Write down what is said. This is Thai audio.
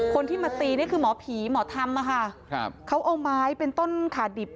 คนที่มาตีนี่คือหมอผีหมอทัมมันเธอเขาเอาไม้เป็นต้นขาดิบ